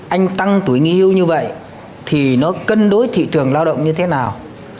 anh tăng tuổi nghỉ hưu như vậy thì nó cân đối thị trường lao động như thế nào